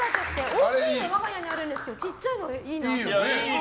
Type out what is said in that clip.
大きいの我が家にあるんですけどちっちゃいのいいなと。